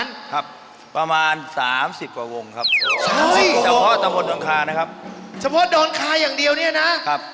เฉพาะดอนภาคอย่างเดียวละครับ